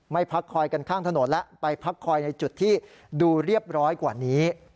พักคอยกันข้างถนนและไปพักคอยในจุดที่ดูเรียบร้อยกว่านี้